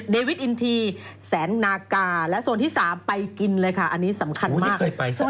วิทอินทีแสนนากาและโซนที่๓ไปกินเลยค่ะอันนี้สำคัญมาก